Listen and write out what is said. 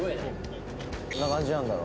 どんな感じなんだろう？